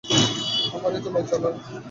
আমার এতে লজ্জা করে।